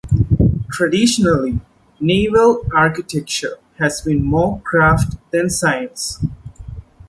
Traditionally, naval architecture has been more craft than science.